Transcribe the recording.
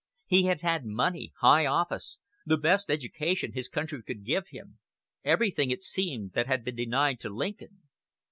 He had had money, high office, the best education his country could give him everything, it seemed, that had been denied to Lincoln.